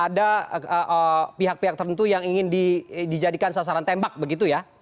ada pihak pihak tertentu yang ingin dijadikan sasaran tembak begitu ya